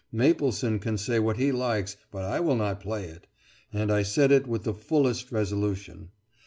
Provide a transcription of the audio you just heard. Mapleson can say what he likes, but I will not play it"; and I said it with the fullest resolution.